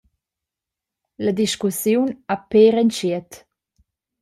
La discussiun ha pér entschiet.